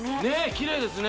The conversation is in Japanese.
きれいですね